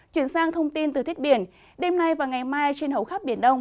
chuyển sang thông tin từ thiết biển đêm nay và ngày mai trên hầu khắp biển đông